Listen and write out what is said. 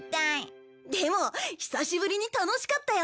でも久しぶりに楽しかったよ！